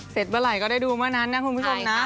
เมื่อไหร่ก็ได้ดูเมื่อนั้นนะคุณผู้ชมนะ